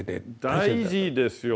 大事ですよね。